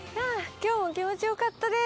今日も気持ちよかったです。